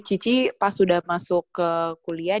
cici pas sudah masuk ke kuliah